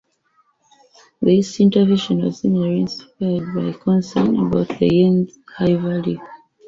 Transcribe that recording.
This intervention was similarly inspired by concern about the yen's high value.